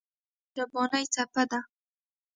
جانداد د مهربانۍ څپه ده.